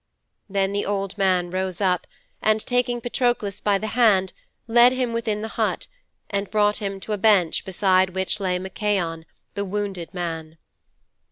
"' 'Then the old man rose up and taking Patroklos by the hand led him within the hut, and brought him to a bench beside which lay Machaon, the wounded man.'